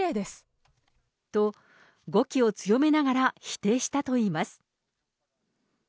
と、語気を強めながら否定したといいます。